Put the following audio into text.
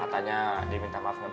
katanya dia minta maaf gak bisa dateng